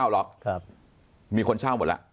ล็อกมีคนเช่าหมดแล้ว